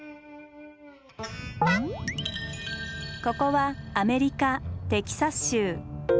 ここはアメリカテキサス州。